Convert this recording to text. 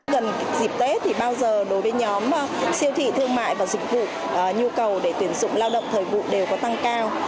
gần dịp tết thì bao giờ đối với nhóm siêu thị thương mại và dịch vụ nhu cầu để tuyển dụng lao động thời vụ đều có tăng cao